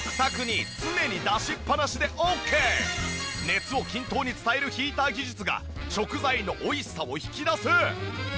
熱を均等に伝えるヒーター技術が食材のおいしさを引き出す。